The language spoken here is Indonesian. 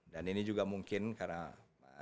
ini juga mungkin karena